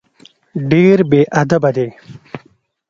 ډېر بېادبه دی.